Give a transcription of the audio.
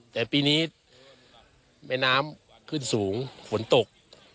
แต่ปีนี้แม่น้ำขึ้นสูงฝนตก